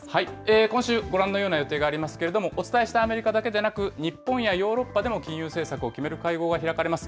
今週、ご覧のような予定がありますけれども、お伝えしたアメリカだけでなく、日本やヨーロッパでも金融政策を決める会合が開かれます。